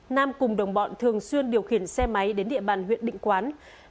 nam cùng đồng bọn thường xuyên điều khiển xe máy đến địa bàn huyện định quán